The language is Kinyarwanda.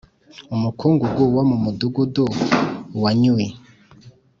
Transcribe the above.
Umukungugu wo mu mudugudu wanyui